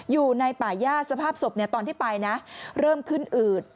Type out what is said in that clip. อยู่ในป่าย่าสภาพศพตอนที่ไปนะเริ่มขึ้นอืด